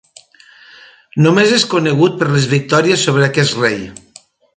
Només és conegut per les victòries sobre aquest rei.